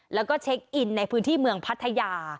แล้วก็เช็คอินในพื้นที่เมืองพัทยา